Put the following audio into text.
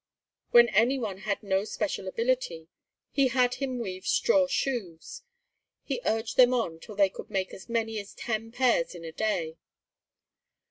When any one had no special ability, he had him weave straw shoes. He urged them on till they could make as many as ten pairs a day.